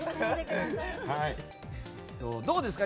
どうですか？